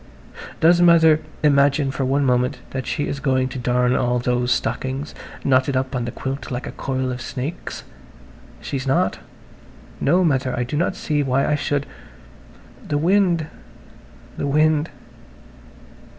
.. Does Mother imagine for one moment that she is going to darn all those stockings knotted up on the quilt like a coil of snakes? She's not. No, Mother. I do not see why I should. ... The wind–the wind!